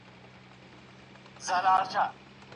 نا لوستې ميرمن په خبرو ژر نه پوهيږي.